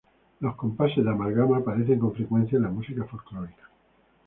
Los compases de amalgama aparecen con frecuencia en la música folclórica.